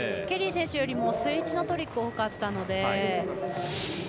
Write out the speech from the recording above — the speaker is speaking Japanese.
ケリー選手よりもスイッチのトリック多かったので。